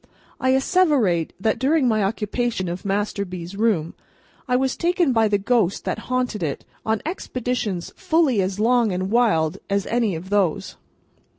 I asseverate that, during my occupation of Master B.'s room, I was taken by the ghost that haunted it, on expeditions fully as long and wild as any of those.